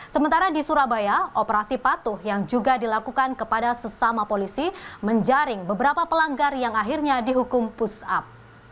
sementara di surabaya operasi patuh yang juga dilakukan kepada sesama polisi menjaring beberapa pelanggar yang akhirnya dihukum push up